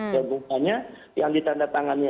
dan bukannya yang ditanda tangannya